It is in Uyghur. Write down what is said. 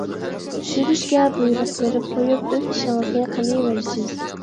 چۈشۈرۈشكە بۇيرۇق بېرىپ قويۇپ، ئۆز ئىشىڭىزنى قىلىۋېرىسىز.